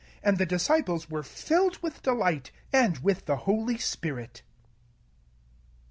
52 And the disciples were filled with joy, and with a holy spirit. Ch.